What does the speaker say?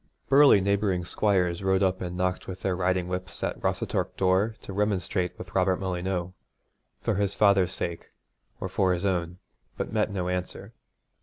Burly neighbouring squires rode up and knocked with their riding whips at Rossatorc door to remonstrate with Robert Molyneux, for his father's sake or for his own, but met no answer.